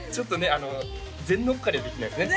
あの全乗っかりはできないですね